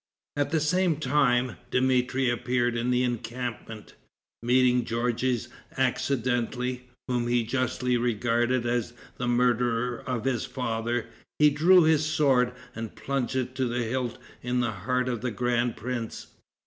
At the same time, Dmitri appeared in the encampment. Meeting Georges accidentally, whom he justly regarded as the murderer of his father, he drew his sword, and plunged it to the hilt in the heart of the grand prince.